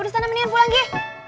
udah stand up mendingan pulang gi